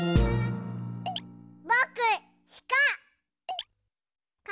ぼくしか！